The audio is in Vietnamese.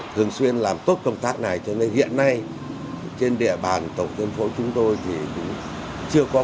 thường xuyên làm tốt công tác này cho nên hiện nay trên địa bàn tổng thương phố chúng tôi thì chưa có